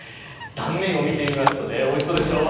断面を見てみますとね、おいしそうでしょう。